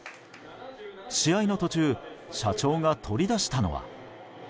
試合の途中社長が取り出したのは。